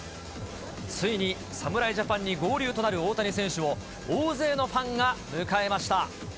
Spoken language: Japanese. ついに侍ジャパンに合流となる大谷選手を、大勢のファンが迎えました。